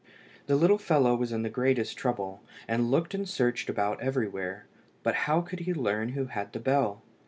The little fellow was in the greatest trouble, and looked and searched about everywhere. But how could he learn who had the bell?